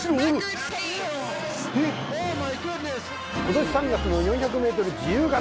今年３月の４００メートル自由形